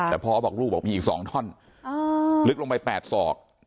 แต่พ่อบอกลูกบอกมีอีก๒ท่อนลึกลงไป๘ศอก